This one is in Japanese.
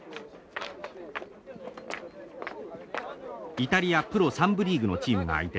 イタリアプロ３部リーグのチームが相手です。